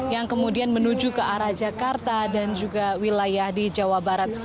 yang kemudian menuju ke arah jakarta dan juga wilayah di jawa barat